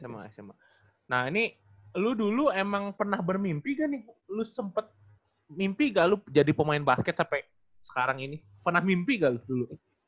sma sma nah ini lu dulu emang pernah bermimpi ga nih lu sempet mimpi ga lu jadi pemain basket sampe sekarang ini pernah mimpi ga lu dulu